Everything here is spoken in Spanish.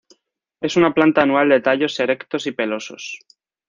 Es una planta anual de tallos erectos y pelosos.